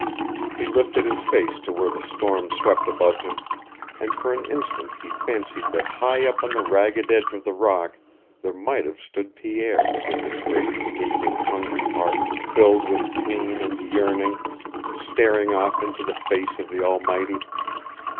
He lifted his face to where the storm swept above him, and for an instant he fancied that high up on the ragged edge of the rock there might have stood Pierre, with his great, gaping, hungry heart, filled with pain and yearning, staring off into the face of the Almighty.